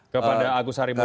kepada agus harimut